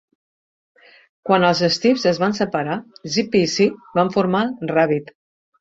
Quan els Stiffs es van separar, Zippy i Sid van formar Rabid.